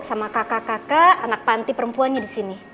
sama kakak kakak anak panti perempuan nya disini